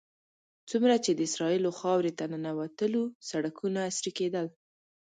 څومره چې د اسرائیلو خاورې ته ننوتلو سړکونه عصري کېدل.